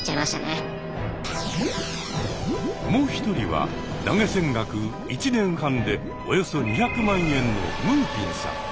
もう一人は投げ銭額１年半でおよそ２００万円のむーぴんさん。